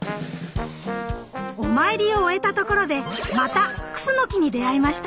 お参りを終えたところでまたクスノキに出会いました。